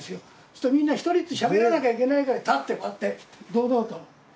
そうするとみんな一人ずつしゃべらなきゃいけないから立ってこうやって堂々と。